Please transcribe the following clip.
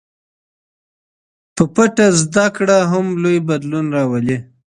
په پټه زده کړه هم لوی بدلون راولي.